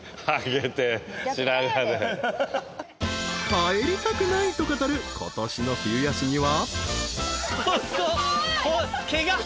［帰りたくないと語る今年の冬休みは］